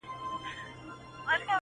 راته مه ګوره میدان د ښکلیو نجونو!.